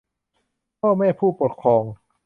พ่อแม่ผู้ปกครอง